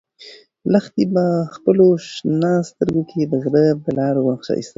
لښتې په خپلو شنه سترګو کې د غره د لارو نقشه ایستله.